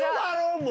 もう。